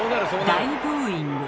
大ブーイング。